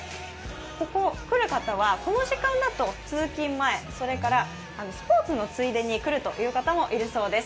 ここ、来る方は、この時間だと通勤前、それからスポーツのついでに来る方もいるそうです。